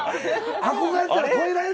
「憧れたら超えられない」？